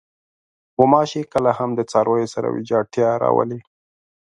غوماشې کله هم د څارویو سره ویجاړتیا راولي.